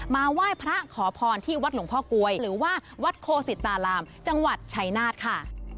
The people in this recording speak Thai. มาไหว้พระขอพรที่วัดหลวงพ่อก๊วยหรือว่าวัดโคสิตารามจังหวัดชัยนาธค่ะ